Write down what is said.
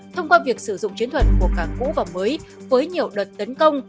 thông qua việc sử dụng chiến thuật của cảng cũ và mới với nhiều đợt tấn công